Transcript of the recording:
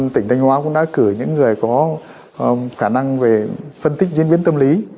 tỉnh thanh hóa cũng đã cử những người có khả năng về phân tích diễn biến tâm lý